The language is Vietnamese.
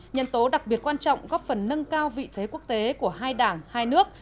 nhân tố đặc biệt quan trọng góp phần nâng cao vị thế quốc tế của hai đảng hai nước